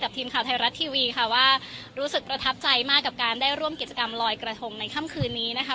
ทีมข่าวไทยรัฐทีวีค่ะว่ารู้สึกประทับใจมากกับการได้ร่วมกิจกรรมลอยกระทงในค่ำคืนนี้นะคะ